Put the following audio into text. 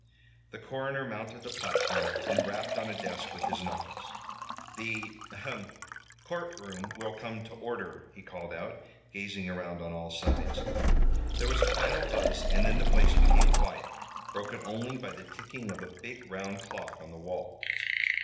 The coroner mounted the platform and rapped on a desk with his knuckles. "The ahem! courtroom will come to order!" he called out, gazing around on all sides. There was a final buzz and then the place became quiet, broken only by the ticking of a big round clock on the wall.